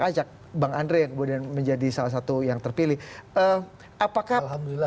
acak acak bang andre yang kemudian menjadi salah satu yang terpilih